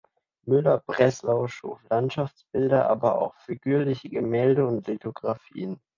Müller-Breslau schuf Landschaftsbilder, aber auch figürliche Gemälde und Lithografien.